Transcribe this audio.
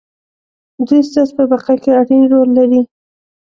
دوی ستاسې په بقا کې اړين رول لري.